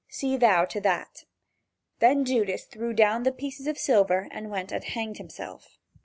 See thou to that." Then Judas threw down the pieces of silver and went and hanged himself.